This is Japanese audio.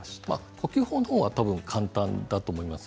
呼吸法の方が簡単だと思います。